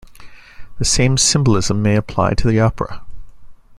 The same symbolism may apply to the opera.